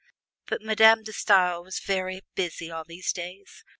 But Madame De Stael was very busy all these days.